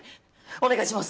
お願いします！